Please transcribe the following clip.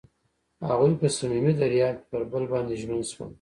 هغوی په صمیمي دریاب کې پر بل باندې ژمن شول.